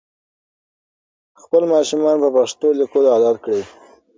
خپل ماشومان په پښتو لیکلو عادت کړئ.